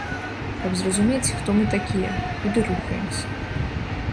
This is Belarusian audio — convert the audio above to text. Каб зразумець, хто мы такія, куды рухаемся.